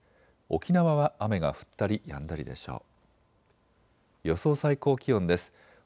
沖縄は雨が降ったりやんだりでしょう。